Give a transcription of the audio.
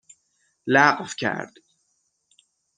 لغو کرد